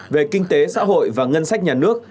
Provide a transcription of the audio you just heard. về kinh tế xã hội và ngân sách nhà nước